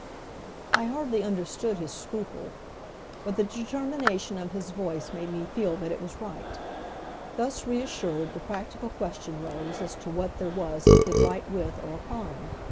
I hardly understood his scruple, but the determination of his voice made me feel that it was right. Thus reassured the practical question rose as to what there was he could write with or upon.